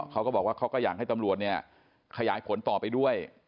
เขาก็บอกว่าเขาก็อยากให้ตำรวจเนี่ยขยายผลต่อไปด้วย